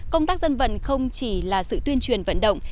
công tác dân vận không chỉ là sự tuyên truyền vận động